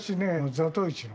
『座頭市』に。